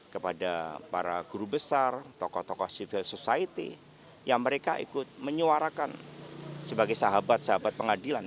kepada para guru besar tokoh tokoh civil society yang mereka ikut menyuarakan sebagai sahabat sahabat pengadilan